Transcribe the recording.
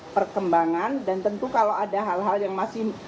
perkembangan dan tentu kalau ada hal hal yang masih